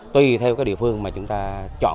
tuy theo địa phương mà chúng ta chọn